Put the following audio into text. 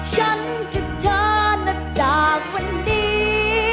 ฉันกับเธอนะจากวันนี้